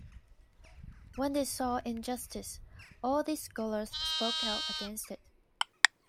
When they saw injustice, all these scholars spoke out against it.